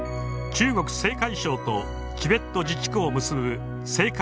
中国・青海省とチベット自治区を結ぶ青海